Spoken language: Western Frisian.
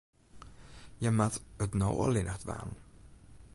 Hja moat it no allinnich dwaan.